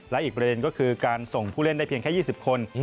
และอีกประเด็นก็คือการส่งผู้เล่นได้เพียงแค่๒๐คน